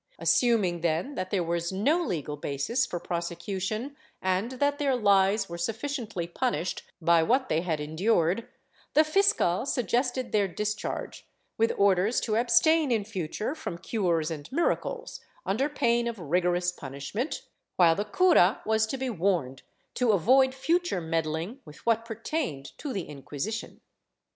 Assuming then that there was no legal basis for prosecution and that their lies were sufficiently punished by what they had endured, the fiscal suggested their discharge, with orders to abstain in future from cures and miracles, under pain of rigorous punish ment, while the cura was to be warned to avoid future meddling with what pertained to the Inquisition.